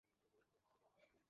ভাই, ভিতরে আসতে চাও?